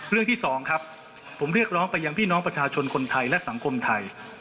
เรื่องที่สองครับผมเรียกร้องไปยังพี่น้องประชาชนคนไทยและสังคมไทย